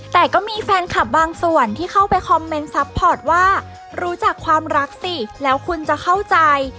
แต่ก็มีแฟนคลับบางส่วนที่เข้าไปคอมเมนต์ซัพพอร์ตว่ารู้จักความรักสิแล้วคุณจะเข้าใจ